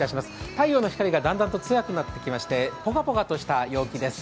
太陽の光がだんだんとつらくなってきまして、ぽかぽかとした陽気です。